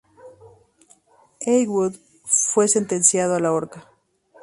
Heywood fue sentenciado a la horca.